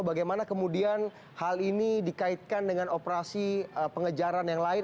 bagaimana kemudian hal ini dikaitkan dengan operasi pengejaran yang lain